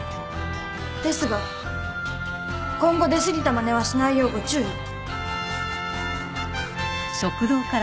ですが今後出過ぎたまねはしないようご注意を。